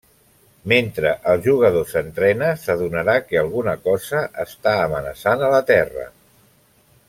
Mentre el jugador s'entrena, s'adonarà que alguna cosa està amenaçant a la Terra.